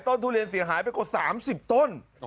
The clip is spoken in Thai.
ทุเรียนเสียหายไปกว่า๓๐ต้น